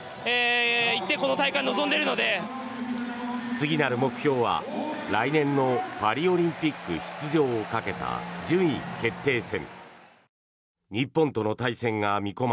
次なる目標は来年のパリオリンピック出場をかけた順位決定戦。